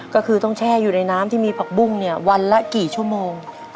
ก็คือต้องแช่อยู่ในน้ำที่มีผักบุ้งเนี่ยวันละกี่ชั่วโมง